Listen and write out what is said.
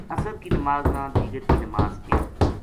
عصر کی نماز نا دیگر کی نماز کہیں۔